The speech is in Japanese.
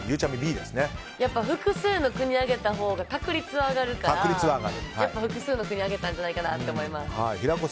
複数の国を挙げたほうが確率が上がるから複数の国挙げたんじゃないかなと思います。